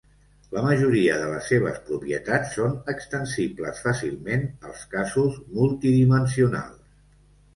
La majoria de les seves propietats són extensibles fàcilment als casos multidimensionals.